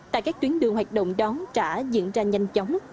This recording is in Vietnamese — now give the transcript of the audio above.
tại các tuyến đường hoạt động đón trả diễn ra nhanh chóng